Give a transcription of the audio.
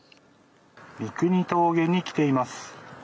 三国峠に来ています。